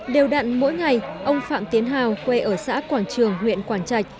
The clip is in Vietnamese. đều đặn mỗi ngày ông phạm tiến hào quê ở xã quảng trường huyện quảng trạch